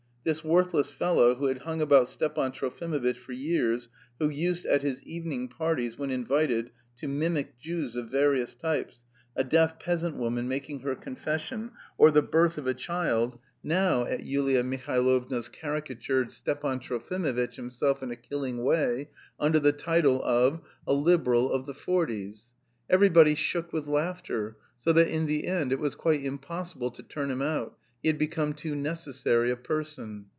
This worthless fellow who had hung about Stepan Trofimovitch for years, who used at his evening parties, when invited, to mimic Jews of various types, a deaf peasant woman making her confession, or the birth of a child, now at Yulia Mihailovna's caricatured Stepan Trofimovitch himself in a killing way, under the title of "A Liberal of the Forties." Everybody shook with laughter, so that in the end it was quite impossible to turn him out: he had become too necessary a person.